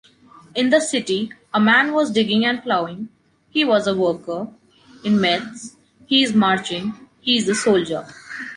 In the city, a man was digging and plowing: he was a worker; in Metz, he is marching: he is a soldier.